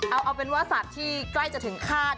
เอาเป็นว่าสัตว์ที่ใกล้จะถึงฆาต